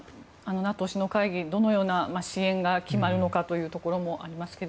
ＮＡＴＯ首脳会議どのような支援が決まるのかというところもありますが。